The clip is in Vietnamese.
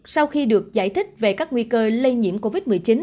sau khi được giải thích về các nguy cơ lây nhiễm covid một mươi chín